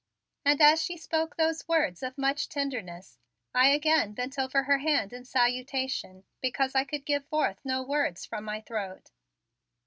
And as she spoke those words of much tenderness I again bent over her hand in salutation because I could give forth no words from my throat.